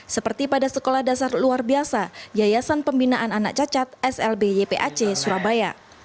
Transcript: seperti pada sekolah dasar luar biasa yayasan pembinaan anak cacat slb ypac surabaya